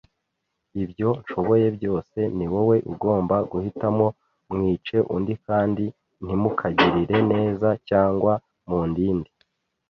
ibyo nshoboye byose. Ni wowe ugomba guhitamo. Mwice undi kandi ntimukagirire neza, cyangwa mundinde